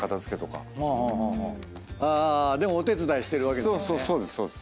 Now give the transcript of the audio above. でもお手伝いしてるわけですね。